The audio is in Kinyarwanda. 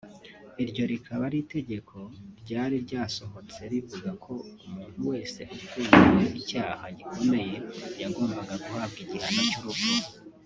Iryo rikaba ari itegeko ryari ryasohotse rivuga ko umuntu wese ufungiwe icyaha gikomeye yagombaga guhabwa igihano cy’urupfu